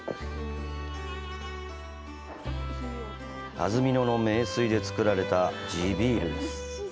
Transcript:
安曇野の名水で造られた地ビールです。